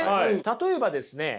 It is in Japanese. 例えばですね